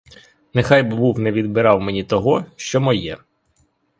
Нехай би був не відбирав мені того, що моє!